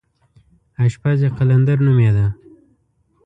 اشپز یې قلندر نومېده.